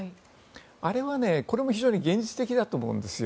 あれは、これも非常に現実的だと思うんですよ。